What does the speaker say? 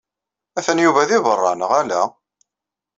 Atan Yuba di berra, neɣ ala?